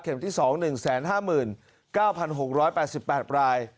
เข็มที่สอง๑๕๙๖๘๘ราย